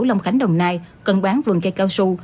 long khánh đồng nai cần bán vườn cây cao su